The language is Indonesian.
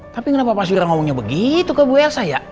tapi kenapa pak surya ngomongnya begitu ke bu elsa ya